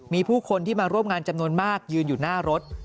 มีผู้คนที่มาร่วมงานจำนวนมากยืนอยู่หน้ารถ